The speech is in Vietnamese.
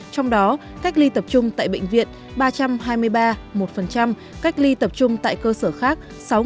trong đó cách ly tập trung tại bệnh viện ba trăm hai mươi ba một cách ly tập trung tại cơ sở khác sáu sáu trăm bốn mươi ba một mươi sáu